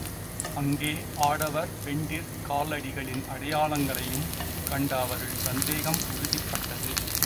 அங்கே ஆடவர் பெண்டிர் கால் அடிகளின் அடையாளங்களையும் கண்ட அவர்கள் சந்தேகம் உறுதிப் பட்டது.